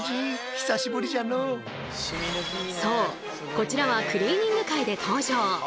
こちらは「クリーニング」回で登場。